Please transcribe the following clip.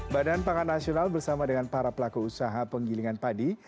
badan pangan nasional bersama dengan para pelaku usaha penggilingan padi